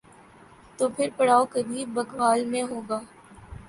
تو پھر پڑاؤ کبھی بھگوال میں ہو گا۔